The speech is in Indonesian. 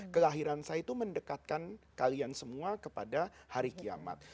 kelahiran saya itu mendekatkan kalian semua kepada hari kiamat